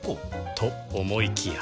と思いきや